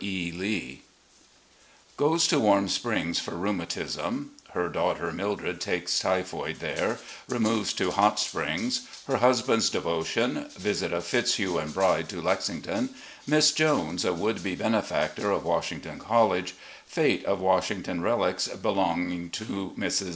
E. Lee GOES TO WARM SPRINGS FOR RHEUMATISM — HER DAUGH TER MILDRED TAKES TYPHOID THERE — REMOVES TO HOT SPRINGS — ^HER HUSBAND'S DEVOTION — ^VISIT OP PITZHUGH AND BRIDE TO LEXINGTON — MISS JONES, A WOULD BE BENEFACTOR OF WASHINGTON COLLEGE — PATE OP WASHINGTON RELICS BELONGING TO MRS.